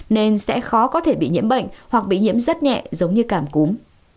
nên sẽ khó có thể bị nhiễm bệnh hoặc bị nhiễm rất nhẹ giống như cảm cúm